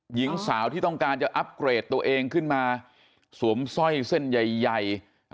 หญิงสาวที่ต้องการจะอัพเกรดตัวเองขึ้นมาสวมสร้อยเส้นใหญ่